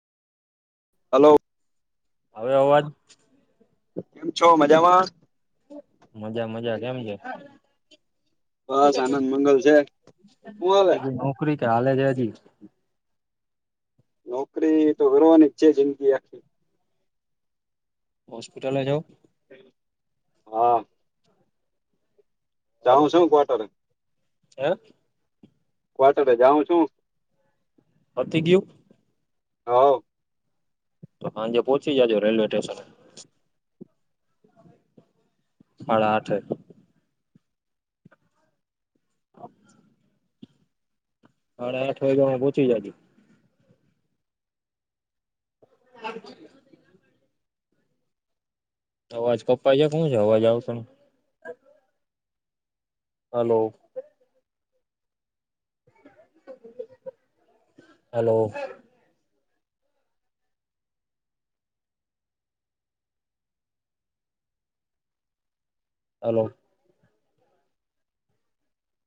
Hello. હવે અવાજ. કેમ છો મજામા? મજા મજા. જેમ છે. બસ આનંદ મંગલ છે હુ હાલે નોકરી કે હાલે છે હજી [inaudible] નોકરી તો કરવાની જ છેે જિંદગી આખી. હોસ્પિટલ એ જાવ. હા. સારું જાઉું છું કોવતરે હે. કો્વાર્ટર જાઉં છું. પટી ગયું હા. તો સાંજે પોહોંચી જજો રેલવે સ્ટેશન સાડા હાઠે. હાડા હાઠ વાગ્યા માં પહોંચી જજો. [inaudible] અવાજ કપાય છે કે હું છે? અવાજ આવતો નથી. હલો. હલો. હલો.